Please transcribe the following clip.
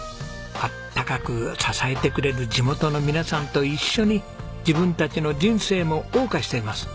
あったかく支えてくれる地元の皆さんと一緒に自分たちの人生も謳歌しています。